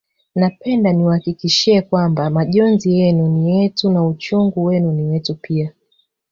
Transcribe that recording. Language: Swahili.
Napenda niwahakikishie kwamba majonzi yenu ni yetu na uchungu wenu ni wetu pia